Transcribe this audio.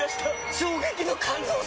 衝撃の感動作！